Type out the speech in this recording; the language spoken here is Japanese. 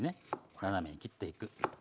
斜めに切っていく。